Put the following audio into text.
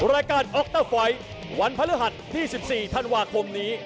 รายการออกเตอร์ไฟท์วันพฤหัสที่๑๔ธันวาคมนี้